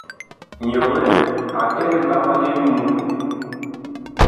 Nyɔnɛ a kɛ liɓag li ŋmu.